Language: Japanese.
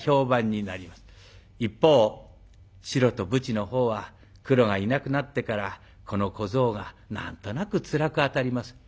一方白とぶちの方は黒がいなくなってからこの小僧が何となくつらく当たります。